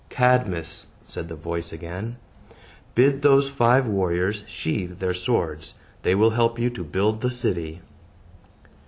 "Cadmus," said the voice again, "bid those five warriors sheathe their swords. They will help you to build the city."